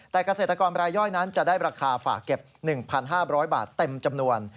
แต่เกษตรกรรายย่อยนั้นจะได้ราคาฝากเก็บ๑๕๐๐บาทเต็มจำนวน